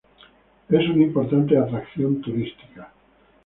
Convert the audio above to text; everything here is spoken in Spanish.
Es una importante atracción turística.